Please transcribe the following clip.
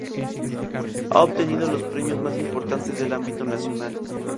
Ha obtenido los premios más importantes del ámbito nacional.